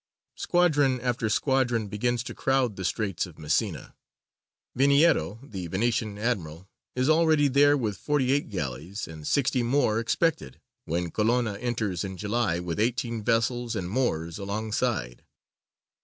Squadron after squadron begins to crowd the Straits of Messina. Veniero, the Venetian admiral, is already there with forty eight galleys, and sixty more expected, when Colonna enters, in July, with eighteen vessels and moors alongside.